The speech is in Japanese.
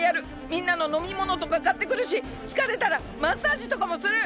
みんなののみものとかかってくるしつかれたらマッサージとかもする！